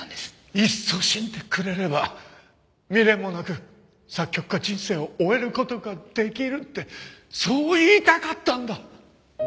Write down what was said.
いっそ死んでくれれば未練もなく作曲家人生を終える事が出来るってそう言いたかったんだ！